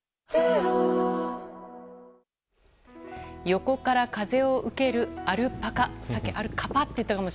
横から風を受ける、アルパカ。